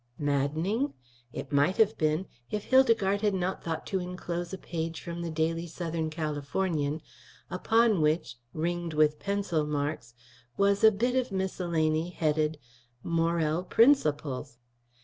Maddening? It might have been, if Hildegarde had not thought to inclose a page from the Daily Southern Californian, upon which, ringed with pencil marks, was a bit of miscellany headed, "Morel Prinsaples."